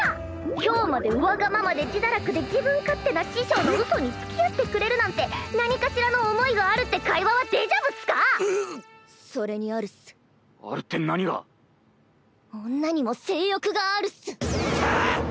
今日までわがままで自堕落で自分勝手な師匠のうそにつきあってくれるなんて何かしらの思いがあるって会話はデジャビュっスか⁉うっ女にも性欲があるっスせっ！